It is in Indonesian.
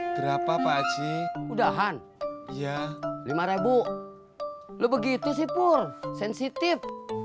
berapa pak aji udahan ya rp lima lu begitu sih pur sensitif